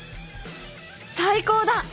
「最高だ！！！」